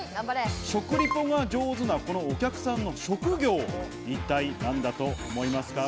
食リポが上手なこのお客さんの職業、一体何だと思います？